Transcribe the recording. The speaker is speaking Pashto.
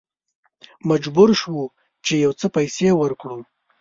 مجبور شوو چې یو څه پیسې ورکړو.